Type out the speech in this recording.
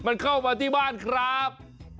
มันเข้ามาที่บ้านครับ